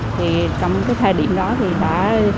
thì trong cái thời điểm đó thì đã